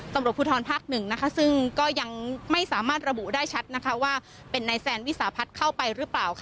ตำรวจภูทรภาค๑ซึ่งก็ยังไม่สามารถระบุได้ชัดว่าเป็นนายแซนวิสาพัฒน์เข้าไปหรือเปล่า